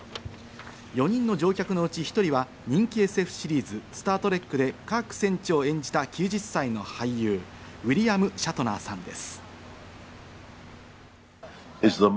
４人の乗客のうち１人は人気ＳＦシリーズ『スター・トレック』でカーク船長を演じた９０歳の俳優ウィリアム・シャトナーさんです。